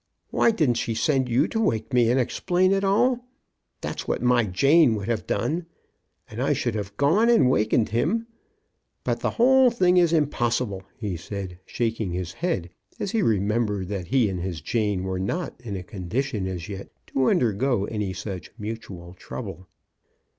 Why didn't she send you to wake me and explain it all? That's what my Jane would have done ; and I should have gone and wakened him. But the whole thing is im possible," he said, shaking his head as he 6o CHRISTMAS AT THOMPSON HALL. remembered that he and his Jane were not in a condition as yet to undergo any such mutual trouble.